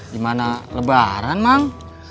di mana lebaran mang